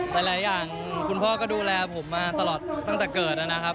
หลายอย่างคุณพ่อก็ดูแลผมมาตลอดตั้งแต่เกิดนะครับ